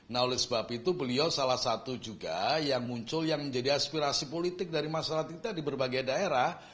nah oleh sebab itu beliau salah satu juga yang muncul yang menjadi aspirasi politik dari masyarakat kita di berbagai daerah